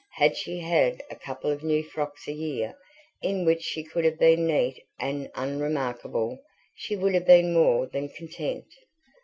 Had she had a couple of new frocks a year, in which she could have been neat and unremarkable, she would have been more than content.